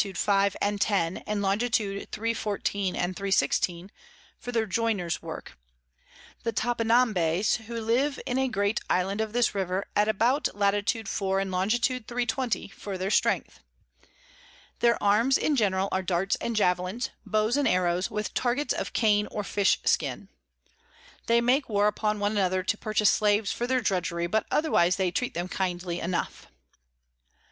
5 and 10. and Long. 314 and 316, for their Joyners Work; the Topinambes who live in a great Island of this River, about Lat. 4. and Longit. 320. for their Strength. Their Arms in general are Darts and Javelins, Bows and Arrows, with Targets of Cane or Fish Skins. They make war upon one another to purchase Slaves for their Drudgery, but otherwise they treat them kindly enough.